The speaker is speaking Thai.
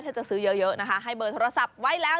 ถ้าจะซื้อเยอะนะคะให้เบอร์โทรศัพท์ไว้แล้ว